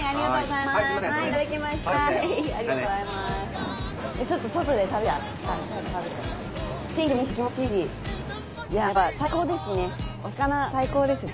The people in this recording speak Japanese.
いいですね。